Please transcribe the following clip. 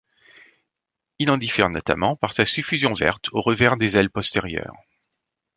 Il en diffère notamment par sa suffusion verte aux revers des ailes postérieures.